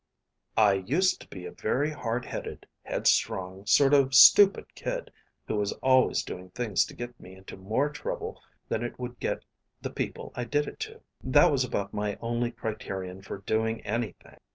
"I used to be a very hardheaded, head strong, sort of stupid kid, who was always doing things to get me into more trouble than it would get the people I did it to. That was about my only criterion for doing anything.